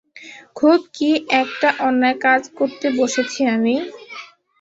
খুব কী একটা অন্যায় কাজ করতে বসেছি আমি?